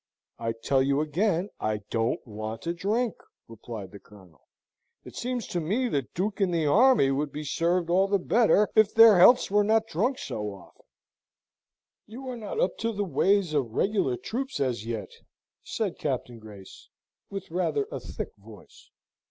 "I tell you again, I don't want to drink," replied the Colonel. "It seems to me the Duke and the Army would be served all the better if their healths were not drunk so often." "You are not up to the ways of regular troops as yet," said Captain Grace, with rather a thick voice.